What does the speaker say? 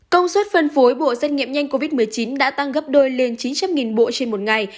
công suất phân phối bộ xét nghiệm nhanh covid một mươi chín đã tăng gấp đôi lên chín trăm linh bộ trên một ngày